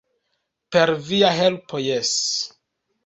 Per via helpo jes!